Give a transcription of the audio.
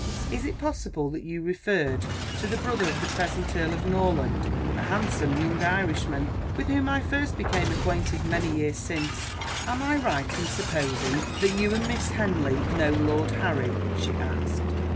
Is it possible that you referred to the brother of the present Earl of Norland? A handsome young Irishman with whom I first became acquainted many years since. Am I right in supposing that you and Miss Henley know Lord Harry?" she asked.